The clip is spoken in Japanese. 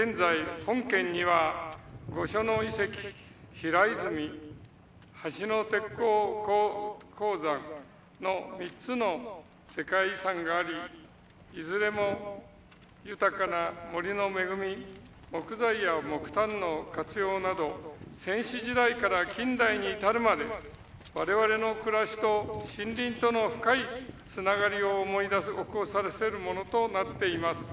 平泉橋野鉄鉱山の３つの世界遺産がありいずれも豊かな森の恵み木材や木炭の活用など先史時代から近代に至るまで我々の暮らしと森林との深いつながりを思い起こさせるものとなっています。